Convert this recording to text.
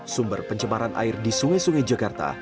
sumber pencemaran air di sungai sungai jakarta